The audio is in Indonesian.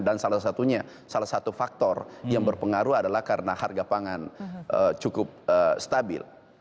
salah satunya salah satu faktor yang berpengaruh adalah karena harga pangan cukup stabil